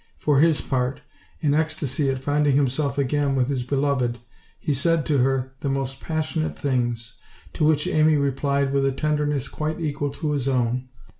For his part, in ecstasy at finding himself again with his beloved, he said to her the most passionate things, to which Amy replied with a ten derness quite equal to his own.